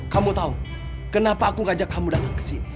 kamu tahu kenapa aku ngajak kamu datang kesini